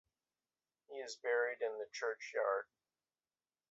He is buried in the churchyard.